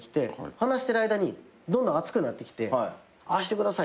話してる間にどんどん熱くなってきてああしてください